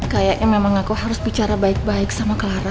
kayaknya memang aku harus bicara baik baik sama clara